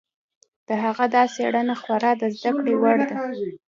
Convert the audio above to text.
د هغه دا څېړنه خورا د زده کړې وړ ده.